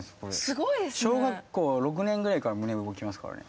すごいですね。小学校６年ぐらいから胸動きますからね。